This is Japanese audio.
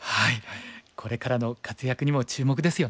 これからの活躍にも注目ですよね。